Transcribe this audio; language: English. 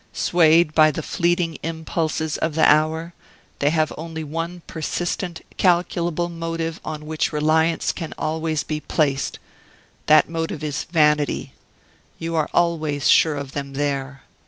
Swayed by the fleeting impulses of the hour, they have only one persistent, calculable motive on which reliance can always be placed that motive is vanity; you are always sure of them there.